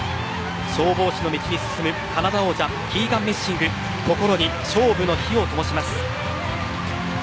消防士の道に進む、カナダ王者キーガン・メッシング心に勝負の火を灯します。